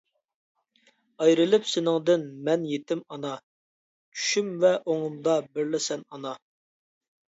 ئايرىلىپ سېنىڭدىن مەن يېتىم ئانا، چۈشۈم ۋە ئوڭۇمدا بىرلا سەن ئانا.